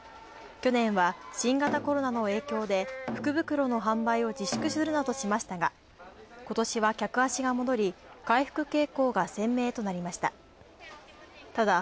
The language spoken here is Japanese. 去年は新型コロナの影響で、福袋の販売を自粛するなどしたが今年は客足が戻り回復傾向が鮮明となった。